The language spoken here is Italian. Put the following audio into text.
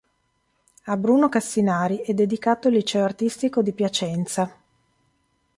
A Bruno Cassinari è dedicato il Liceo Artistico di Piacenza.